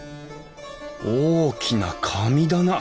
大きな神棚。